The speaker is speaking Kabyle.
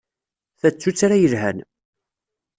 Ta d tuttra yelhan.